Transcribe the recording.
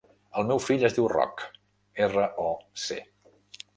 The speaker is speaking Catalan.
El meu fill es diu Roc: erra, o, ce.